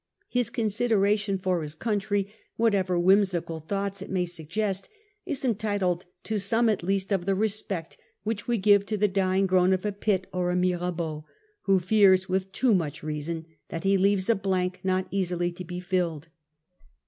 His consideration for his country, whatever whimsical thoughts it may suggest, is en titled to some at least of the respect which we give to the dying groan of a Pitt or a Mirabeau, who fears with too much reason that' he leaves a blank not easily to be filled.